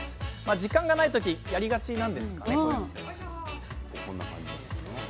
時間がない時やりがちなんですかね。